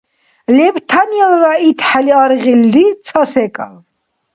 Лебтанилра итхӏели аргъилри ца секӏал